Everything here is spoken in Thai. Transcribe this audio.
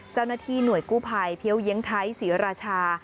เจ้าหน้าที่หน่วยกู้ภัยเพี้ยวเยียงไทยศรีราชา